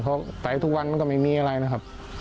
เพราะไตทุกวันมันก็ไม่มีอะไรนะครับ